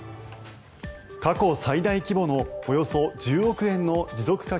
過去最大規模のおよそ１０億円の持続化